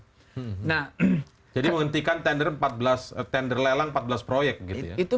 jadi menghentikan tender empat belas tender lelang empat belas proyek gitu ya